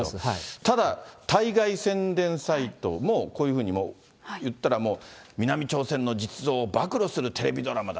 ただ、対外宣伝サイトもこういうふうに言ったら、もう南朝鮮の実像を暴露するテレビドラマだ。